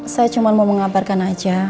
saya cuma mau mengabarkan aja